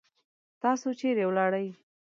تاسو چیرې ولاړی؟